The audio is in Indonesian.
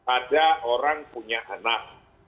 ada orang punya anak